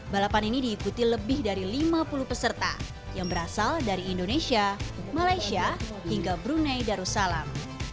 balapan ini diikuti lebih dari lima puluh peserta yang berasal dari indonesia malaysia hingga brunei darussalam